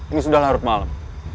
ini sudah larut malam